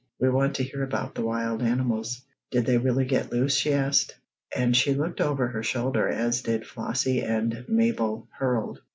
"We want to hear about the wild animals. Did they really get loose?" she asked, and she looked over her shoulder, as did Flossie and Mabel Herold.